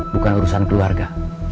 bukan urusan keluarga